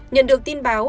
nhận được tin báo